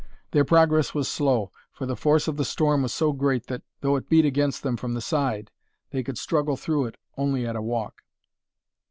Their progress was slow, for the force of the storm was so great that, though it beat against them from the side, they could struggle through it only at a walk.